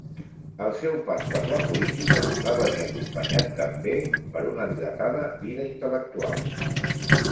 El seu pas per la política va venir acompanyat també per una dilatada vida intel·lectual.